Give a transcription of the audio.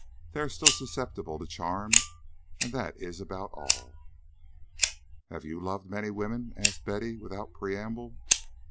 They are still susceptible to charm, and that is about all." "Have you loved many women?" asked Betty, without preamble.